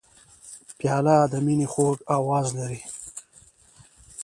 پیاله د مینې خوږ آواز لري.